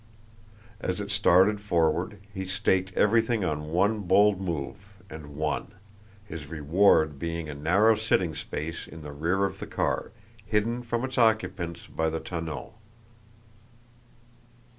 As it started forward he staked everything on one bold move, and won, his reward being a narrow sitting space in the rear of the car, hidden from its occupants by the tonneau.